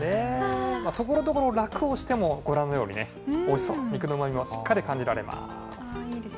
ところどころラクをしても、ご覧のようにおいしそう、肉のうまみもしっかり感じられます。